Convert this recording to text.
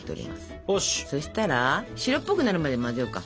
そしたら白っぽくなるまで混ぜようか。